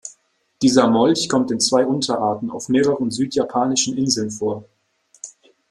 Dieser Molch kommt in zwei Unterarten auf mehreren süd-japanischen Inseln vor.